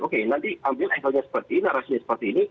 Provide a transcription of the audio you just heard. oke nanti ambil angle nya seperti ini narasinya seperti ini